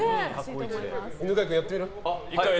犬飼君、やってみる？